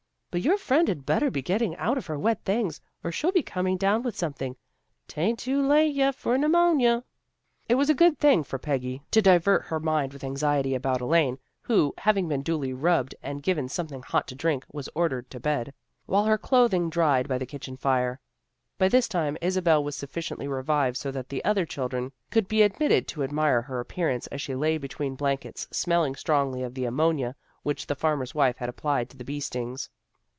But your friend had better be getting out of her wet things, or she'll be coming down with something. Tain't too late yet for pneumonia." It was a good thing for Peggy to divert 332 THE GIRLS OF FRIENDLY TERRACE her mind with anxiety about Elaine, who, hav ing been duly rubbed and given something hot to drink, was ordered to bed, while her clothing dried by the kitchen fire. By this tune Isabel was sufficiently revived so that the other children could be admitted to admire her ap pearance as she lay between blankets smelling strongly of the ammonia which the farmer's wife had applied to the bee stings.